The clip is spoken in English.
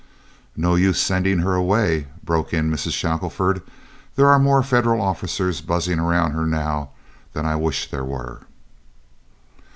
"No use sending her away," broke in Mrs. Shackelford; "there are more Federal officers buzzing around her now than I wish there were."